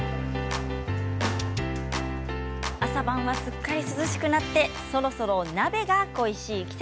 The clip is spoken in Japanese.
朝晩はすっかり涼しくなって、そろそろ鍋が恋しい季節。